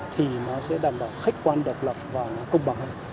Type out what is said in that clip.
thì nó sẽ đảm bảo khách quan độc lập và công bằng hơn